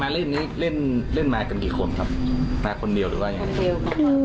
มาเล่นมากันกี่คนครับมาคนเดียวหรือว่าอย่างนี้